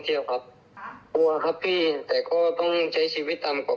กลัวครับพี่แต่ก็ต้องใช้ชีวิตตามปกติ